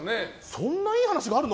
そんないい話があるの？